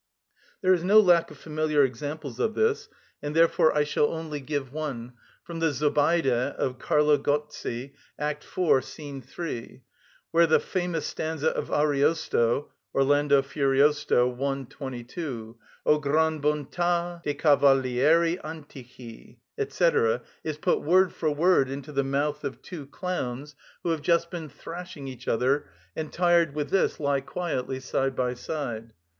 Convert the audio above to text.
There is no lack of familiar examples of this, and therefore I shall only give one, from the "Zobeide" of Carlo Gozzi, act iv., scene 3, where the famous stanza of Ariosto (Orl. Fur., i. 22), "Oh gran bontà de' cavalieri antichi," &c., is put word for word into the mouth of two clowns who have just been thrashing each other, and tired with this, lie quietly side by side.